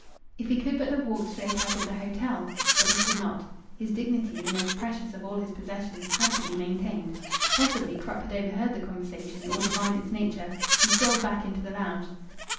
If he could but have walked straight out of the hotel! But he could not. His dignity, the most precious of all his possessions, had to be maintained. Possibly Krupp had overheard the conversation, or divined its nature. He strolled back into the lounge.